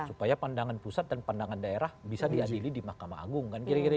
supaya pandangan pusat dan pandangan daerah bisa diadili di mahkamah agung kan kira kira